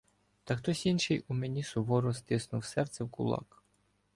Та хтось інший у мені суворо стиснув серце в кулак.